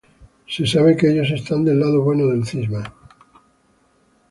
Se sabe que ellos están del lado bueno del cisma.